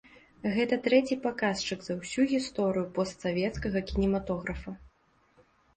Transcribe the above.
Гэта трэці паказчык за ўсю гісторыю постсавецкага кінематографа.